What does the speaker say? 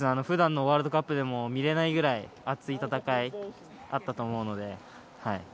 普段のワールドカップでも見れないくらい、熱い戦いがあったと思うので。